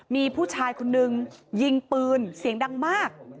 มีผู้ชายคนนึงยิงปืนเสียงดังมาก